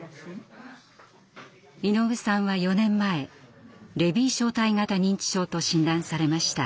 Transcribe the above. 井上さんは４年前レビー小体型認知症と診断されました。